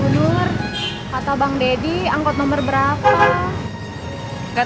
ya ga lu ngecat